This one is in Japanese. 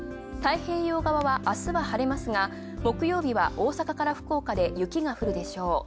太平洋側は明日は晴れますが木曜日は大阪や福岡で雪が降るでしょう。